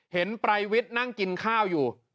เห็นไปรวิทนั่งกินข้าวอยู่